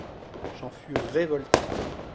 J'en fus révolté.